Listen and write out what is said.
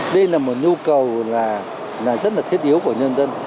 đây là một nhu cầu rất là thiết yếu của nhân dân